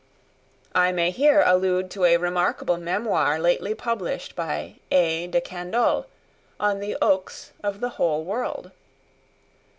I may here allude to a remarkable memoir lately published by A. de Candolle, on the oaks of the whole world.